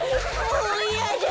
もういやだ。